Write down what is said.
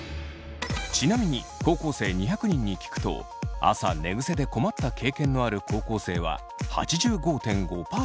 ちなみに高校生２００人に聞くと朝寝ぐせで困った経験のある高校生は８５．５％。